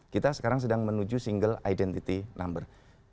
kita sekarang sedang menuju single identity number